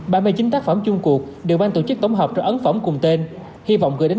bản bài chính tác phẩm chung cuộc được ban tổ chức tổng hợp cho ấn phẩm cùng tên hy vọng gửi đến